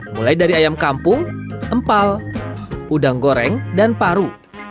mulai dari ayam kampung empal udang goreng dan paru